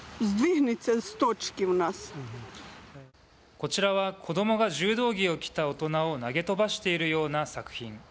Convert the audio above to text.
こちらは、子どもが柔道着を着た大人を投げ飛ばしているような作品。